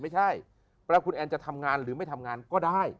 ไม่ใช่แปลว่าคุณแอนจะทำงานหรือไม่ทำงานก็ได้